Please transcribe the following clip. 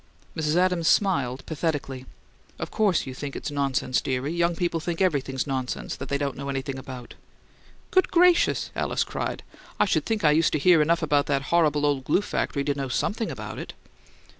Mrs. Adams smiled, pathetically. "Of course you think it's nonsense, dearie. Young people think everything's nonsense that they don't know anything about." "Good gracious!" Alice cried. "I should think I used to hear enough about that horrible old glue factory to know something about it!"